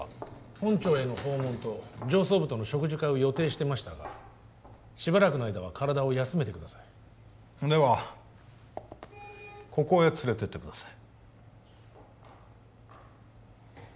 本庁への訪問と上層部との食事会を予定してましたがしばらくの間は体を休めてくださいではここへ連れてってください